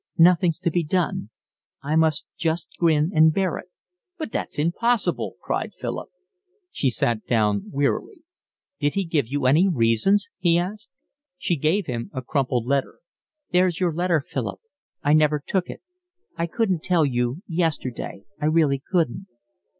Nothing's to be done. I must just grin and bear it." "But that's impossible," cried Philip. She sat down wearily. "Did he give any reasons?" he asked. She gave him a crumpled letter. "There's your letter, Philip. I never took it. I couldn't tell you yesterday, I really couldn't.